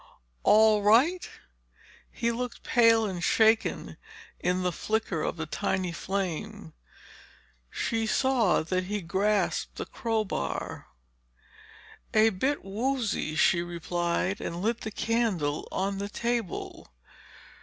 "All right?" He looked pale and shaken in the flicker of the tiny flame. She saw that he grasped the crowbar. "A bit woozy," she replied, and lit the candle on the table.